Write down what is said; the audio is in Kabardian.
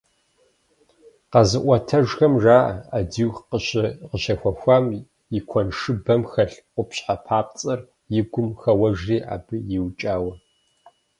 Къэзыӏуэтэжхэм жаӏэ, ӏэдииху къыщехуэхам и куэншыбэм хэлъ къупщхьэ папцӏэр и гум хэуэжри, абы иукӏауэ.